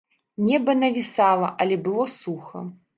Неба навісала, але было суха.